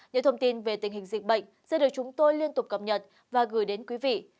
những thông tin về tình hình dịch bệnh sẽ được chúng tôi liên tục cập nhật và gửi đến quý vị